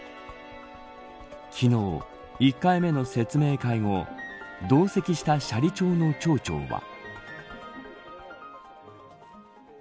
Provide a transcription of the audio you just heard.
昨日、１回目の説明会後同席した斜里町の町長は。